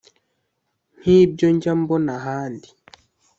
Nk’ibyo njya mbona ahandi